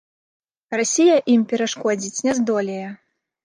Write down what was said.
Расія ім перашкодзіць не здолее.